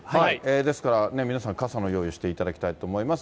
ですから皆さん、傘の用意していただきたいと思います。